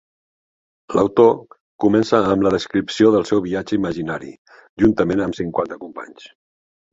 L'autor comença amb la descripció del seu viatge imaginari juntament amb cinquanta companys.